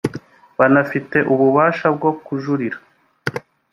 banafite ububasha bwo kujurira